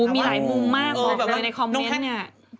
อู๋มีหายมุมมากเลยในคอมเม้นต์นี่เออแบบว่าน้องแฮน